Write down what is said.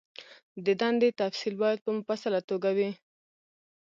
د دندې تفصیل باید په مفصله توګه وي.